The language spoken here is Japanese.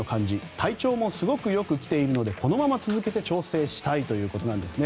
体調もすごくよく来ているのでこのまま続けて調整したいということですね。